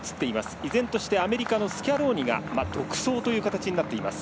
依然としてアメリカのスキャローニが独走という形になっています。